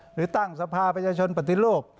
หรือตั้งสภาประชาชนปฏิรูป